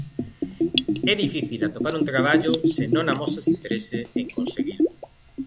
"É difícil atopar un traballo se non amosas interese en conseguilo".